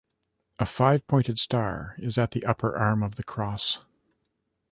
A five-pointed star is at the upper arm of the cross.